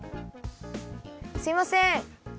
すみません！